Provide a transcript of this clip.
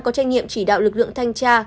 có trách nhiệm chỉ đạo lực lượng thanh tra